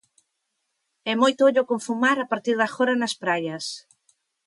E moito ollo con fumar a partir de agora nas praias.